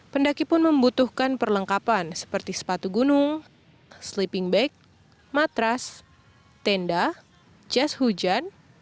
pendaki pun membutuhkan perlengkapan seperti sepatu gunung sleeping bag matras tenda jas hujan